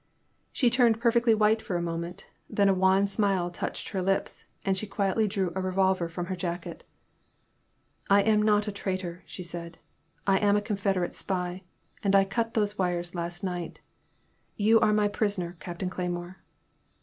She turned perfectly white for a moment, then a wan smile touched her lips, and she quietly drew a revolver from her jacket. *' I am not a traitor," she said, '' I am a Con federate spy, and I cut those wires last night. You are my prisoner, Captain Cleymore."